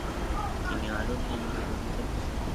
তিনি আরও নিয়মিতভাবে খেলতে থাকেন।